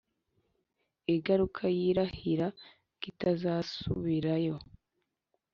Igaruka yirahira kitazasubirayo